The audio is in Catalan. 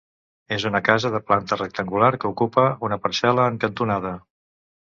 És una casa de planta rectangular que ocupa una parcel·la en cantonada.